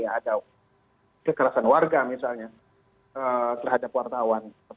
ada kekerasan warga misalnya terhadap wartawan